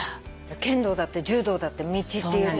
剣道だって柔道だって道っていう字。